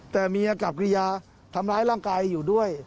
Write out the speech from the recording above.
แต่เมียกับกิริยาทำร้ายร่างกายอยู่ด้วย